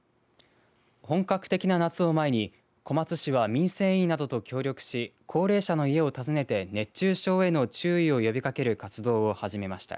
本格的な夏を前に小松市は民生委員などと協力し高齢者の家を訪ねて熱中症への注意を呼びかける活動を始めました。